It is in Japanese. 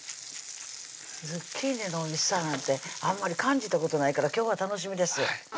ズッキーニのおいしさなんてあんまり感じたことないから今日は楽しみです